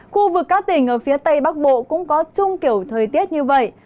khu vực các tỉnh ở phía tây bắc bộ cũng có chung kiểu thời tiết như vậy